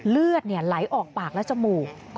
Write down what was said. เลือดไหลออกปากและจมูก